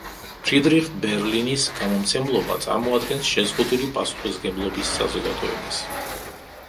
ფრიდრიხ ბერლინის გამომცემლობა წარმოადგენს შეზღუდული პასუხისმგებლობის საზოგადოებას.